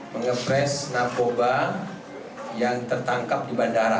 mengepres narkoba yang tertangkap di bandara